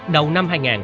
đầu năm hai nghìn